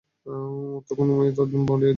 তখন উমাইয়া তার দাম বাড়িয়ে দিল।